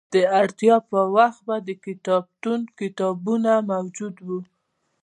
د اړتیا په وخت به د کتابتون کتابونه موجود وو.